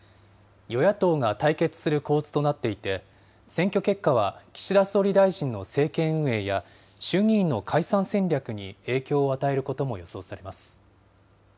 与野党が対決する構図となっていて、選挙結果は、岸田総理大臣の政権運営や、衆議院の解散戦略に影響を与えることも予想されます。